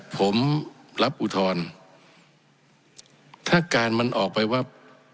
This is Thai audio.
ผมรับอุทธรณ์ถ้าการมันออกไปว่า